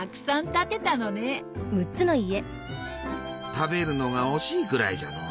食べるのが惜しいくらいじゃのう。